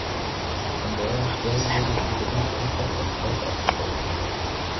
An mehreren Stellen wurde in geringem Umfang auch Torf abgebaut.